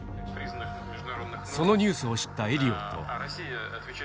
そのニュースを知ったエリオットは。